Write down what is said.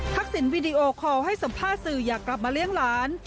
สินวีดีโอคอลให้สัมภาษณ์สื่ออยากกลับมาเลี้ยงหลาน